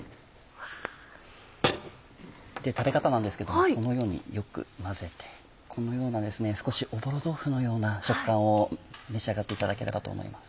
食べ方なんですけどもこのようによく混ぜてこのような少しおぼろ豆腐のような食感を召し上がっていただければと思います。